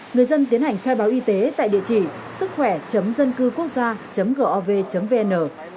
người dân tiến hành khai báo y tế tại địa chỉ sứckhỏe dân cư quốc gia gov vn